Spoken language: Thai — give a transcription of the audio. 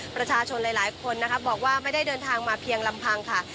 ประชาชนหลายคนนะคะบอกว่าไม่ได้เดินทางมาเพียงลำพังค่ะ